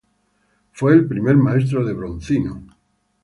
Fue el primer maestro de Bronzino.